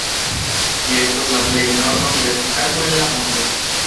Ĝi estas la plej norda universitato en la mondo.